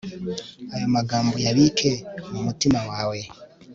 ayo magambo uyabike mu mutima wawe